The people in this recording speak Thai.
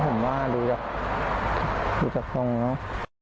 ผมว่าดูจะดูจะตรงแล้ว